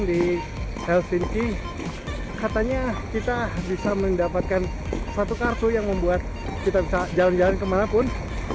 di helsin e katanya kita bisa mendapatkan satu kartu yang membuat kita bisa jalan jalan kemanapun